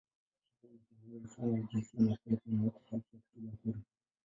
Sheria ilitangaza usawa wa jinsia na kuwapa wanawake haki ya kupiga kura.